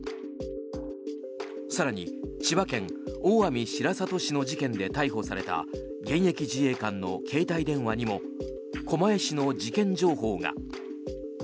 更に、千葉県大網白里市の事件で逮捕された現役自衛官の携帯電話にも狛江市の事件情報が。